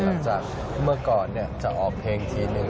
จากเมื่อก่อนจะออกเพลงทีนึง